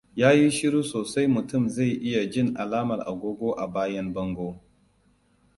Yayi shuru sosai mutum zai iya jin alamar agogo a bayan bango.